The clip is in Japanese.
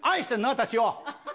私を。